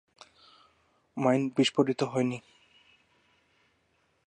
Mine বিস্ফোরিত হয়নি।